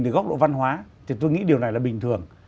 từ góc độ văn hóa thì tôi nghĩ điều này là bình thường